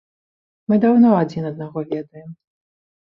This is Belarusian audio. Мы даўно адзін аднаго ведаем.